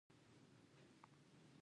کوم ویټامین سترګو ته ګټه لري؟